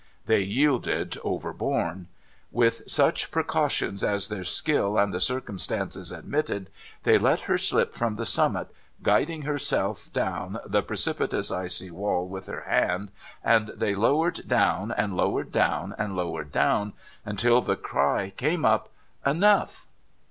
They yielded, overborne. With such precautions as their skill and the circumstances admitted, they let her slip from the summit, guiding herself down the precipitous icy wall with her hand, and they lowered down, and lowered down, and lowered down, until the cry came up :' Enough